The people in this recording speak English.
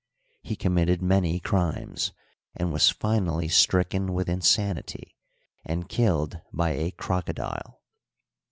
He committed many crimes, and was finally stricken with insanity and killed by a crocodile.